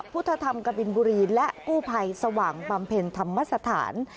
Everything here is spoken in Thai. พุทธธรรมกบินบุรีและกู้ภัยสว่างบำเพ็ญธรรมสถาน